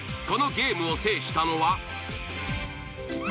このゲームを制したのは。